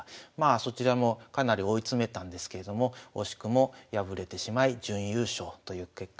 そちらもかなり追い詰めたんですけれども惜しくも敗れてしまい準優勝という結果に終わっています。